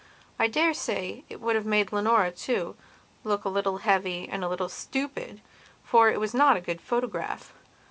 I dare say it would have made Leonora, too, look a little heavy and a little stupid, for it was not a good photograph.